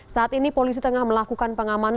saat ini polisi tengah melakukan pengamanan